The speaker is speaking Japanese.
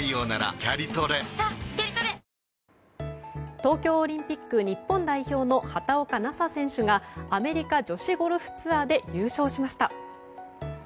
東京オリンピック日本代表の畑岡奈紗選手がアメリカ女子ゴルフツアーで優勝しました。